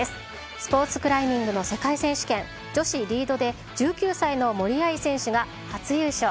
スポーツクライミングの世界選手権女子リードで、１９歳の森秋彩選手が初優勝。